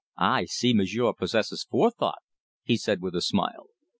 "Ah! I see m'sieur possesses forethought," he said with a smile.